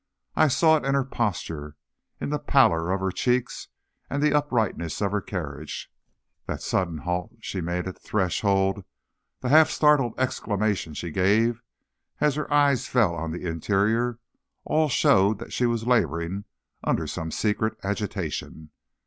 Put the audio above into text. I saw it in her posture, in the pallor of her cheeks and the uprightness of her carriage. The sudden halt she made at the threshold, the half startled exclamation she gave as her eyes fell on the interior, all showed that she was laboring under some secret agitation.